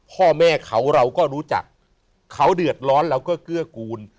พ่อแม่เขาเราก็รู้จักเขาเดือดร้อนเราก็เกื้อกูล